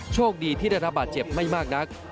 โชคดีที่ได้รับบาดเจ็บไม่มากนัก